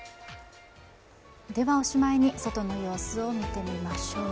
おしまいに外の様子を見てみましょう。